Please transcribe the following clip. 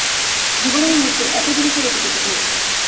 জীবন ও মৃত্যু একই জিনিষের এপিঠ ওপিঠ মাত্র।